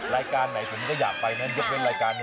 รายการไหนผมก็อยากไปนะยกเว้นรายการนี้